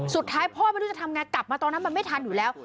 สุดท้ายพ่อไม่รู้จะทำไงกลับมาตอนนั้นมันไม่ทันอยู่แล้ว